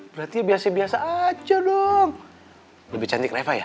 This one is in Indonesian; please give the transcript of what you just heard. berarti biasa biasa aja dong lebih cantiknya ya